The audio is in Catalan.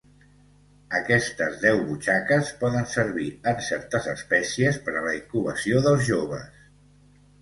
Aquestes deu butxaques poden servir, en certes espècies, per a la incubació dels joves.